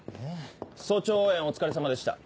早朝応援お疲れさまでした。